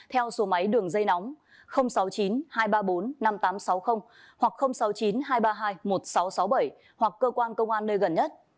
theo số máy đường dây nóng sáu mươi chín hai trăm ba mươi bốn năm nghìn tám trăm sáu mươi hoặc sáu mươi chín hai trăm ba mươi hai một nghìn sáu trăm sáu mươi bảy hoặc cơ quan công an nơi gần nhất